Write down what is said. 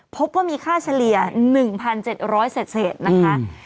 พบว่ามีค่าเฉลี่ย๑๗๐๐เศษนะคะ